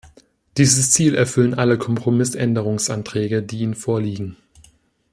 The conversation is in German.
Dieses Ziel erfüllen alle Kompromissänderungsanträge, die Ihnen vorliegen.